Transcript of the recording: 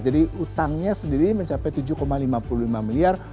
jadi utangnya sendiri mencapai tujuh lima puluh lima miliar